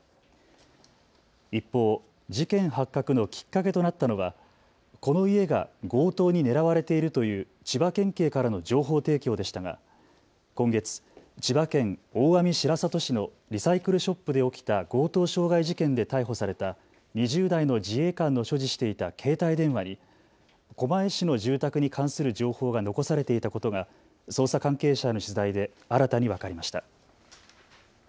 一方、事件発覚のきっかけとなったのはこの家が強盗に狙われているという千葉県警からの情報提供でしたが今月、千葉県大網白里市のリサイクルショップで起きた強盗傷害事件で逮捕された２０代の自衛官の所持していた携帯電話に狛江市の住宅に関する情報が残されていたことが捜査関係者への取材で新たに分かりました。